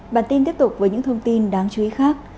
bản tin tiếp tục với những thông tin đáng chú ý khác